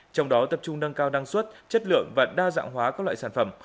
trong đó tập trung nâng cao năng suất chất lượng và đa dạng hóa các loại sản phẩm